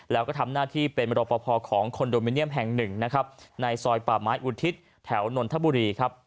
แล้วก็ทำหน้าที่เป็นมรปภของคอนโดมิเนียมแห่งหนึ่งนะครับในซอยป่าไม้อุทิศแถวนนทบุรีครับ